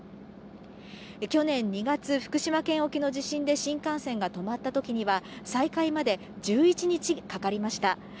去年２月、福島県沖の地震で新幹線が止まったときには、再開まで１１日かかりました。